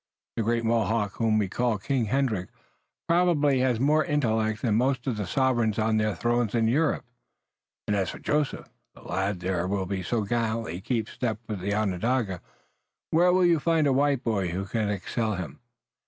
The great Mohawk whom we call King Hendrick probably has more intellect than most of the sovereigns on their thrones in Europe. And as for Joseph, the lad there who so gallantly keeps step with the Onondaga, where will you find a white boy who can excel him?